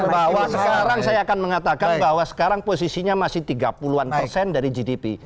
bahwa sekarang saya akan mengatakan bahwa sekarang posisinya masih tiga puluh an persen dari gdp